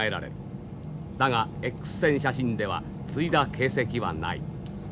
だがＸ線写真では接いだ形跡はない。